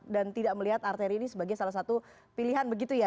dan tidak melihat arteri ini sebagai salah satu pilihan begitu ya